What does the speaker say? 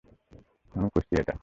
আমি করছি এটা।